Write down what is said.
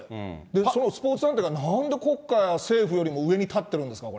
そのスポーツ団体がなんで国家や政府よりも上に立ってるんですか、これ。